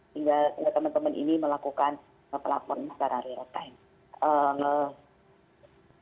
sehingga teman teman ini melakukan pelaporan secara real time